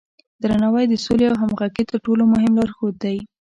درناوی د سولې او همغږۍ تر ټولو مهم لارښود دی.